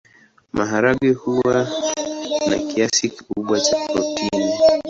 Maharagwe huwa na kiasi kikubwa cha protini.